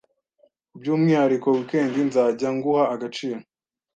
byumwihariko weekend nzajya nguha agaciro